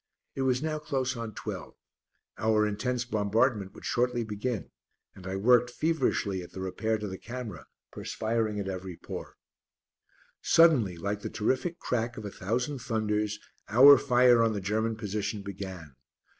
It was now close on twelve; our intense bombardment would shortly begin, and I worked feverishly at the repair to the camera, perspiring at every pore. Suddenly, like the terrific crack of a thousand thunders, our fire on the German position began.